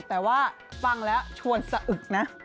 แต่ว่าฟังแล้วชวนสะอึกนะ